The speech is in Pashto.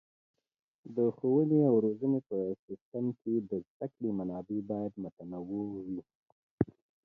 د ښوونې او روزنې په سیستم کې د زده کړې منابع باید متنوع وي.